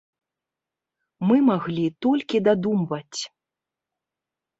Мы маглі толькі дадумваць.